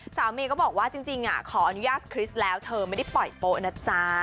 สาวเมย์ก็บอกว่าจริงอ่ะขออนุญาตคฤษแล้วเธอไม่ได้ปล่อยโปะนะจ้า